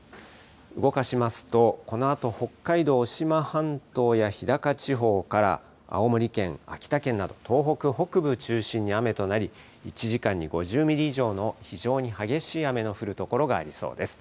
動かしますと、このあと北海道渡島半島や日高地方から青森県、秋田県など東北北部中心に雨となり、１時間に５０ミリ以上の非常に激しい雨の降る所がありそうです。